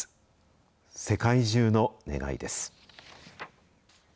世界中の願いです。